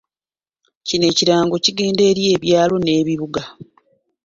Kino ekirango kigenda eri ebyalo n’ebibuga.